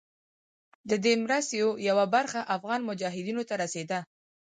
د دې مرستو یوه برخه افغان مجاهدینو ته رسېده.